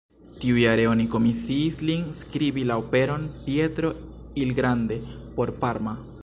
Tiujare oni komisiis lin skribi la operon "Pietro il Grande" por Parma.